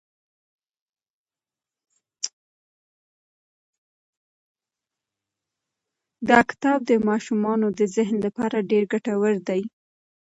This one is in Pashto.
دا کتاب د ماشومانو د ذهن لپاره ډېر ګټور دی.